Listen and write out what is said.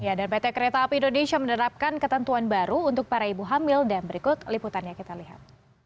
ya dan pt kereta api indonesia menerapkan ketentuan baru untuk para ibu hamil dan berikut liputannya kita lihat